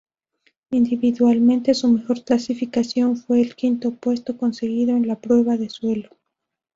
Individualmente, su mejor clasificación fue el quinto puesto conseguido en la prueba de suelo.